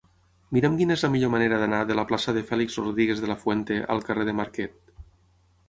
Mira'm quina és la millor manera d'anar de la plaça de Félix Rodríguez de la Fuente al carrer de Marquet.